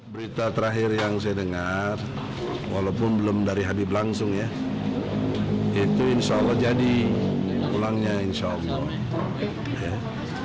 berita terakhir yang saya dengar walaupun belum dari habib langsung ya itu insya allah jadi pulangnya insya allah